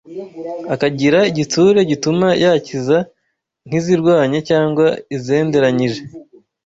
Akagira igitsure gituma yakiza nk’izirwanye cyangwa izenderanyije.